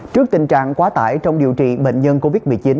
trước tình trạng quá tải trong điều trị bệnh nhân covid một mươi chín